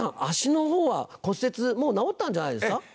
脚のほうは骨折もう治ったんじゃないですか？